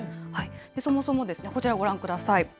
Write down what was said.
そもそもですね、こちらご覧ください。